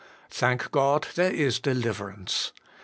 ' Thank God ! there is deliverance.